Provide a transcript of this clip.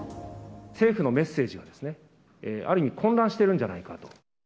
政府のメッセージがですね、ある意味、混乱してるんじゃないかと。